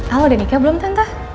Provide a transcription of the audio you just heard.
al udah nikah belum tante